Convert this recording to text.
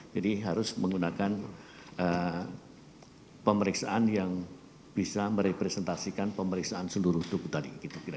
harus menggunakan pemeriksaan yang bisa merepresentasikan pemeriksaan seluruh tubuh tadi